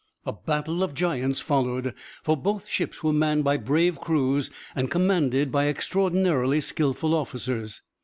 A battle of giants followed, for both ships were manned by brave crews and commanded by extraordinarily skilful officers.